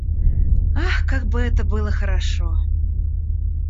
Ах, как бы это было хорошо!